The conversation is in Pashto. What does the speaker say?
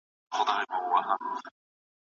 ځل ځل